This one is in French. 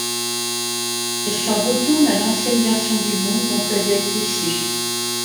Elle s'en retourne à l'ancienne version du monde dont elle est issue.